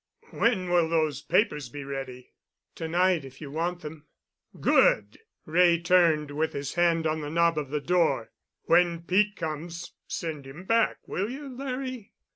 "When will those papers be ready?" "To night, if you want them." "Good!" Wray turned, with his hand on the knob of the door. "When Pete comes, send him back. Will you, Larry?"